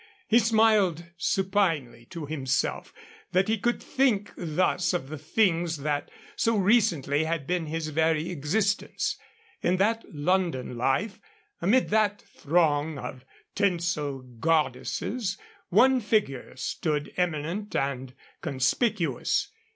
He smiled supinely to himself, that he could think thus of the things that so recently had been his very existence. In that London life, amid that throng of tinsel goddesses, one figure stood eminent and conspicuous.